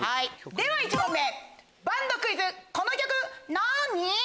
では１問目バンドクイズこの曲なに？